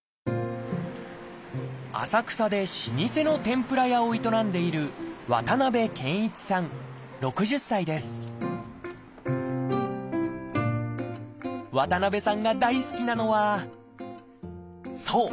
浅草で老舗の天ぷら屋を営んでいる渡さんが大好きなのはそう！